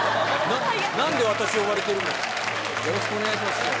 よろしくお願いします。